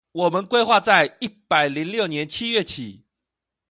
我們規劃在一百零六年七月起